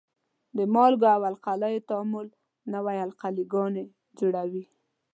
د مالګو او القلیو تعامل نوې القلي ګانې جوړوي.